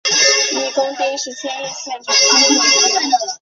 一宫町是千叶县长生郡的一町。